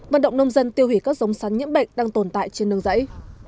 vận động nông dân tiêu hủy các giống sắn nhiễm bệnh đang tồn tại trên nương rẫy